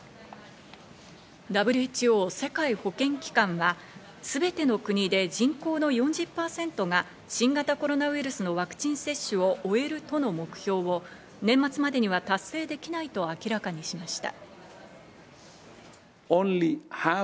ＷＨＯ＝世界保健機関はすべての国で人口の４０％が新型コロナウイルスのワクチン接種を終えるとの目標を年末までには達成できないと明らかにしました。